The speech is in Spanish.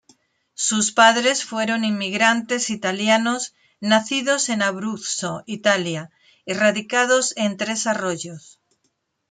Sus padres fueron inmigrantes italianos nacidos en Abruzzo, Italia, y radicados en Tres Arroyos.